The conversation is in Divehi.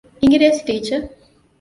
އިނގިރޭސި ޓީޗަރ